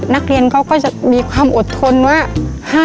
นักเรียนเขาก็จะมีความอดทนว่า